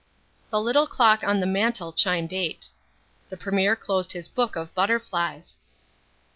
The little clock on the mantel chimed eight. The Premier closed his book of butterflies.